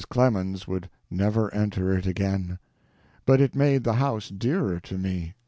Clemens would never enter it again. But it made the house dearer to me.